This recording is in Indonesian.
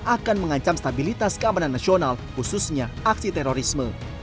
akan mengancam stabilitas keamanan nasional khususnya aksi terorisme